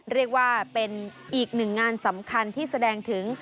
เรียกว่าเป็นอีกหนึ่งงานสำคัญที่แสดงถึง